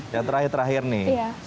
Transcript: yang terakhir terakhir nih